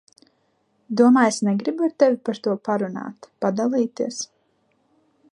Domā, es negribu ar tevi par to parunāt, padalīties?